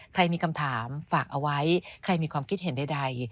ใครมีคำถามฝากเอาไว้ใครมีความคิดเห็นใด